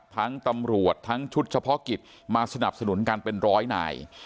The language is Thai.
ทั้งตำรวจทั้งชุดเฉพาะกิจมาสนับสนุนกันเป็นร้อยนาย